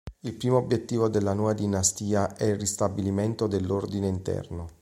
Il primo obiettivo della nuova dinastia è il ristabilimento dell'ordine interno.